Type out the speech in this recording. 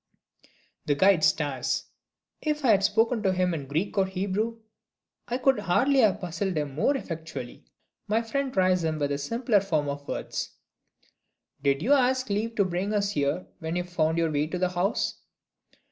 The guide stares. If I had spoken to him in Greek or Hebrew, I could hardly have puzzled him more effectually. My friend tries him with a simpler form of words. "Did you ask leave to bring us here when you found your way to the house?"